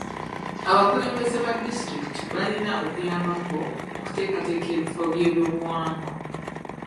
Abakulembeze ba disitulikiti balina okuyambako mu kuteekateeka ebifo by'ebyobuwangwa.